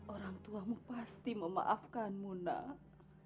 orang tuamu pasti memaafkanmu nak